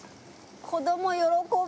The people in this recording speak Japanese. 子ども喜ぶ。